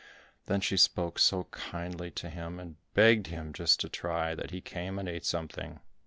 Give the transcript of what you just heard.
Then she spoke so kindly to him and begged him just to try, that he came and ate something.